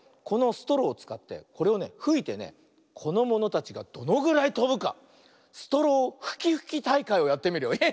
このストローをつかってこれをねふいてねこのものたちがどのぐらいとぶか「ストローふきふきたいかい」をやってみるよ。